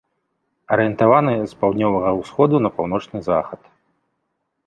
Арыентаваны з паўднёвага ўсходу на паўночны захад.